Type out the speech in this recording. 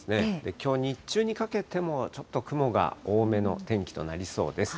きょう日中にかけても、ちょっと雲が多めの天気となりそうです。